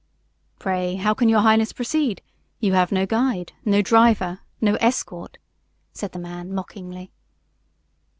"Pray, how can your highness proceed? You have no guide, no driver, no escort," said the man, mockingly.